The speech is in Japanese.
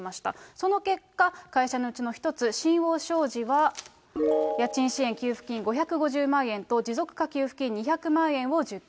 その結果、会社のうちの１つ、新桜商事は家賃支援給付金５００万円と持続化給付金２００万円を受給。